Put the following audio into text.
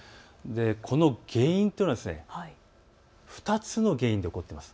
この原因というのが２つの原因で起こっています。